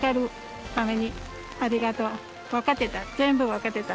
分かってた。